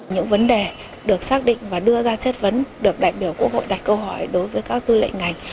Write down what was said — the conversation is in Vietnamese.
những vấn đề được xác định và đưa ra chất vấn được đại biểu quốc hội đặt câu hỏi đối với các tư lệ ngành